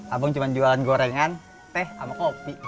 abung cuma jualan gorengan teh sama kopi